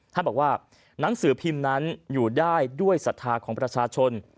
ท่านบอกว่าหนังสือพิมพ์นั้นอยู่ได้ด้วยศรัทธาของประชาชน